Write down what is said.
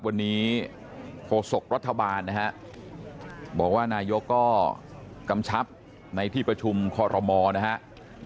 วันนี้โฆษกรัฐบาลนะฮะบอกว่านายกก็กำชับในที่ประชุมคอรมอนะครับ